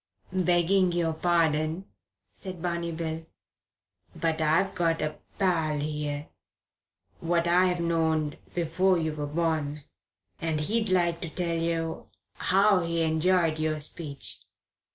"Begging your pardon," said Barney Bill, "but I've got a pal 'ere what I've knowed long before you was born, and he'd like to tell yer how he enjoyed your speech."